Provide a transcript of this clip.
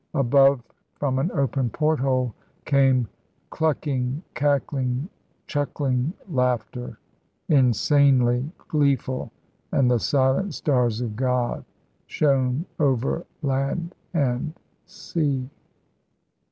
Above from an open port hole came clucking, cackling, chuckling laughter, insanely gleeful, and the silent stars of God shone over land and sea.